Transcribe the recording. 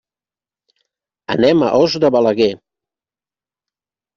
Anem a Os de Balaguer.